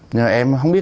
nhưng mà em không biết